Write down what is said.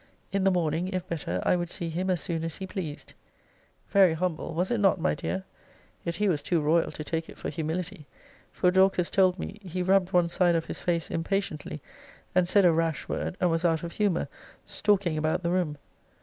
In the morning, if better, I would see him as soon as he pleased. Very humble! was it not, my dear? Yet he was too royal to take it for humility; for Dorcas told me, he rubbed one side of his face impatiently; and said a rash word, and was out of humour; stalking about the room.